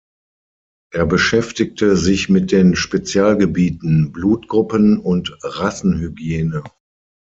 Er beschäftigte sich mit den Spezialgebieten „Blutgruppen“ und „Rassenhygiene“.